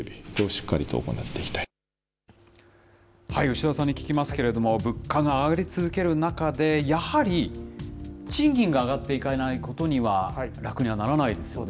牛田さんに聞きますけれども、物価が上がり続ける中で、やはり賃金が上がっていかないことには、楽にはならないですよね。